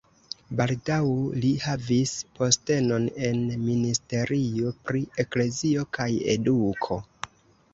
Baldaŭ li havis postenon en ministerio pri eklezio kaj eduko.